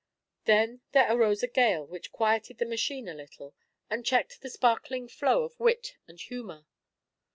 Then there arose a gale which quieted the machine a little, and checked the sparkling flow of wit and humour.